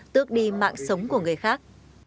tước đi mạng sống của người khác